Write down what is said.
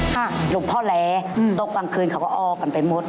หลวงพ่อแหลอืมตกกลางคืนเขาก็ออกกันไปหมด